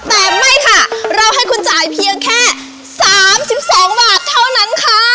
แต่ไม่ค่ะเราให้คุณจ่ายเพียงแค่๓๒บาทเท่านั้นค่ะ